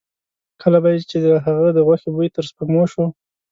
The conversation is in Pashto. کله به یې چې د هغه د غوښې بوی تر سپېږمو شو.